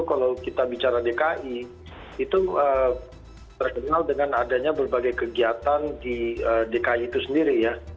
kalau kita bicara dki itu terkenal dengan adanya berbagai kegiatan di dki itu sendiri ya